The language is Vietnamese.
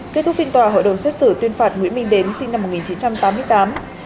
kết thúc phiên tòa hội đồng xét xử tuyên phạt nguyễn minh đến sinh năm một nghìn chín trăm tám mươi tám